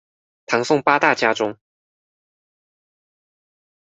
唐宋八大家中